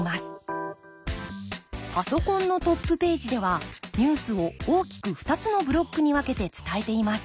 パソコンのトップページではニュースを大きく２つのブロックに分けて伝えています。